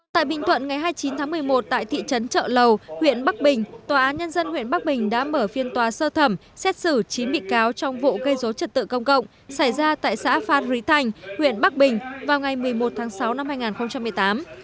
tại bình thuận ngày hai mươi chín tháng một mươi một tại thị trấn trợ lầu huyện bắc bình tòa án nhân dân huyện bắc bình đã mở phiên tòa sơ thẩm xét xử chín bị cáo trong vụ gây dối trật tự công cộng xảy ra tại xã phan rí thành huyện bắc bình vào ngày một mươi một tháng sáu năm hai nghìn một mươi tám